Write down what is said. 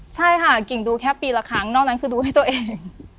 ใช่ค่ะกิ่งดูแค่ปีละครั้งนอกนั้นคือดูให้ตัวเอง